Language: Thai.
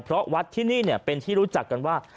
เพราะวัดที่นี่เป็นที่รู้จักกันว่า